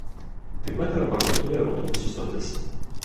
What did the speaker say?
Taip pat yra parduotuvė ir autobusų stotis.